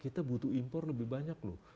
kita butuh impor lebih banyak loh